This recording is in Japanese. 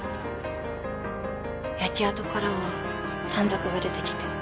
焼け跡からは短冊が出てきて。